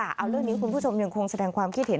เอาเรื่องนี้คุณผู้ชมยังคงแสดงความคิดเห็น